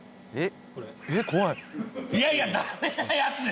えっ？